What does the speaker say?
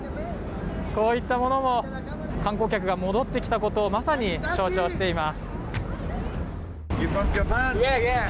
こういったものも観光客が戻ってきたことをまさに象徴してます。